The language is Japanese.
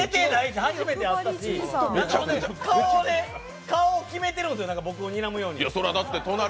初めて会ったし、顔を決めてるんですよ、僕をにらむように。